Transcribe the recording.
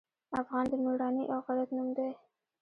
افغان د میړانې او غیرت نوم دی.